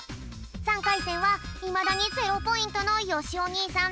３かいせんはいまだにゼロポイントのよしお兄さん